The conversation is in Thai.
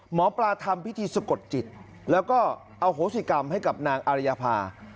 หมอปลาทำพิธีสะกดจิตแล้วก็อโหสิกรรมให้กับนางอารยภา